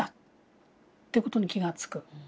ということに気が付く。